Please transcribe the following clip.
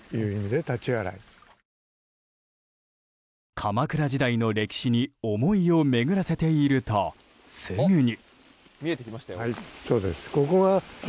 鎌倉時代の歴史に思いを巡らせているとすぐに。